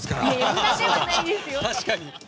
むだではないですよ。